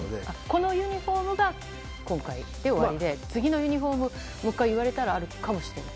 このユニホームが今回で終わりで次のユニホームもう１回言われたらあるかもしれない？